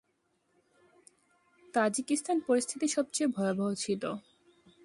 Tajikistan পরিস্থিতি সবচেয়ে ভয়াবহ ছিল।